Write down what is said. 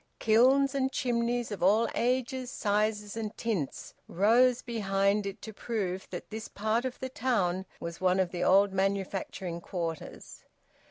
Kilns and chimneys of all ages, sizes, and tints rose behind it to prove that this part of the town was one of the old manufacturing quarters.